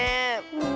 うん。